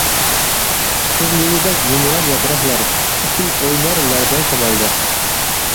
قىز لېۋىدەك يۇمران ياپراقلار، ئۇسسۇل ئوينار لەرزان شامالدا.